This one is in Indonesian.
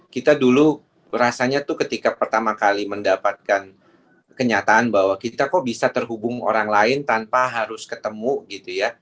kita dulu rasanya tuh ketika pertama kali mendapatkan kenyataan bahwa kita kok bisa terhubung orang lain tanpa harus ketemu gitu ya